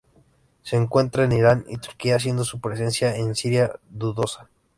Se encuentra en Irán y Turquía, siendo su presencia en Siria dudosa.